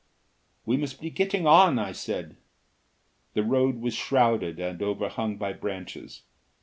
"We must be getting on," I said. The road was shrouded and overhung by branches.